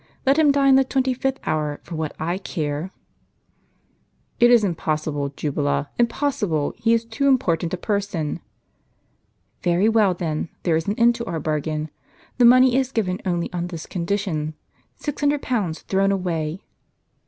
Let him die in the twenty fifth hour, for what I care." "It is impossible, Jubala, impossible; he is too important a person." "Very well, then; there is an end to our bargain. The money is given only on this condition. Six hundred pounds thrown away